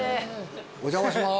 お邪魔します。